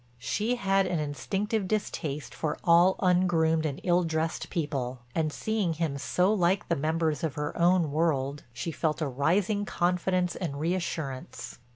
She had an instinctive distaste for all ungroomed and ill dressed people and seeing him so like the members of her own world, she felt a rising confidence and reassurance.